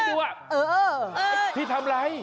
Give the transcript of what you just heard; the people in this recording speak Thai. ซีนไหนดูที่ทำอะไร